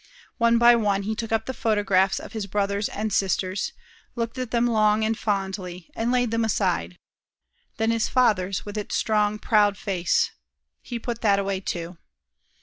One by one he took up the photographs of his brothers and sisters, looked at them long and fondly, and laid them aside; then his father's, with its strong, proud face. He put that away, too.